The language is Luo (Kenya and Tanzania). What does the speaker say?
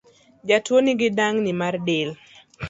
Jatuo nigi dang’ni mar del